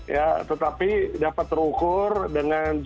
ya tetapi dapat terukur dengan